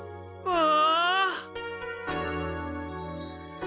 わあ！